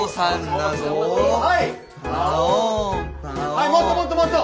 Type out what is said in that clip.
はいもっともっともっと。